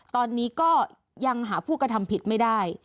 ตอนนี้ก็ยังหาผู้กระทำผิดไม่ได้